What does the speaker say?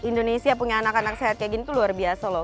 indonesia punya anak anak sehat kayak gini tuh luar biasa loh